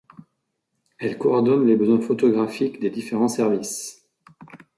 Elle coordonne les besoins photographiques des différents services.